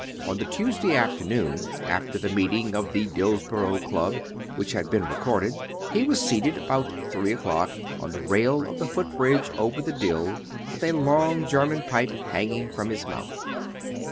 On the Tuesday afternoon, after the meeting of the Dillsborough Club which has been recorded, he was seated, about three o'clock, on the rail of the foot bridge over the Dill, with a long German pipe hanging from his mouth.